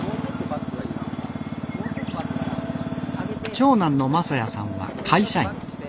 長男の昌哉さんは会社員。